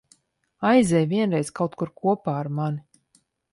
Aizej vienreiz kaut kur kopā ar mani.